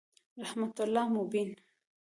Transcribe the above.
رحمت الله مبین